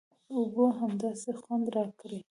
اوبو همداسې خوند راکړ.